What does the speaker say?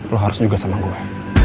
lo harus juga sama gue